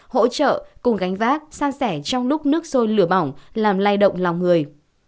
hỗ trợ cùng gánh vác san sẻ trong lúc nước sôi lửa bỏng làm lay động lòng người